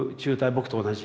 僕と同じ。